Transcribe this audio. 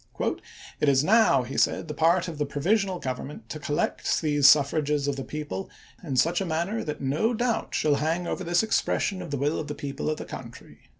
" It is now," he said, "the part of the provisional government to collect these suffrages of the people in such a manner that no doubt shall hang over this expres sion of the will of the people of the country."